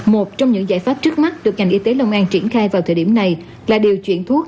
một trong những giải pháp trước mắt được ngành y tế long an triển khai vào thời điểm này là điều chuyển thuốc